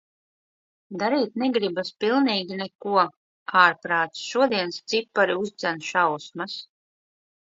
Darīt negribas pilnīgi neko. Ārprāts, šodienas cipari uzdzen šausmas.